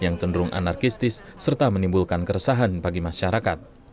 yang cenderung anarkistis serta menimbulkan keresahan bagi masyarakat